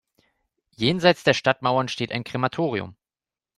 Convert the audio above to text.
Jenseits der Stadtmauern steht ein Krematorium.